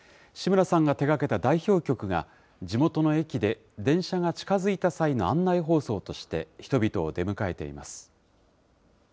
志村さんが手がけた代表曲が、地元の駅で電車が近づいた際の案内放送として、人々を出迎えています。